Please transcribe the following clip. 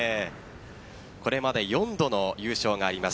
これまで４度の優勝があります